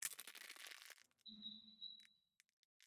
酮糖经反应得到少两个碳的糖。